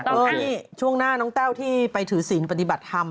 นี่ช่วงหน้าน้องแต้วที่ไปถือศีลปฏิบัติธรรม